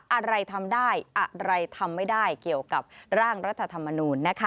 อะไรทำได้อะไรทำไม่ได้เกี่ยวกับร่างรัฐธรรมนูญนะคะ